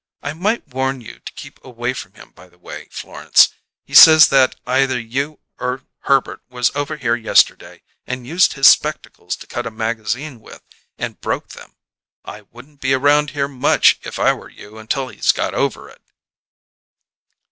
I might warn you to keep away from him, by the way, Florence. He says that either you or Herbert was over here yesterday and used his spectacles to cut a magazine with, and broke them. I wouldn't be around here much if I were you until he's got over it."